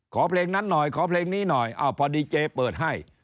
เพลงนั้นหน่อยขอเพลงนี้หน่อยพอดีเจเปิดให้